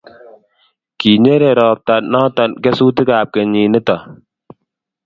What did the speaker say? kinyere robto noto kesutikab kenyit nito